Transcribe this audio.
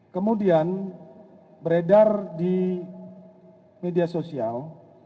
kemudian beredar di media sosial